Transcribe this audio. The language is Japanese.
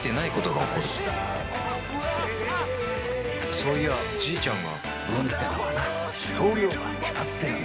そういやじいちゃんが運ってのはな量が決まってるんだよ。